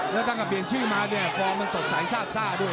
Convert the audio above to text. และตั้งแต่เปลี่ยนชื่อมาฟองเหมือนสดสายซาบซาด้วย